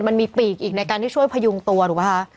มันมีปีกอีกในการที่ช่วยพยุงตัวถูกไหมคะ